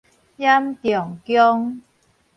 冉仲弓